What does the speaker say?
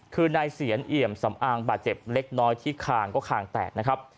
คือนายเสียนเอี่ยมสำอางบาดเจ็บเล็กน้อยที่คางก็คางแตกนะครับ